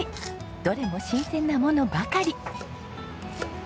どれも新鮮なものばかり。